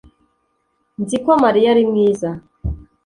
nzi ko mariya ari mwiza